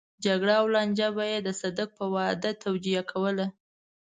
جګړه او لانجه به يې د صدک په واده توجيه کوله.